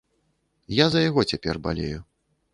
Я за яго цяпер балею.